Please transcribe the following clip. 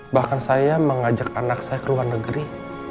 bahkan saya mengajak anak saya ke luar negeri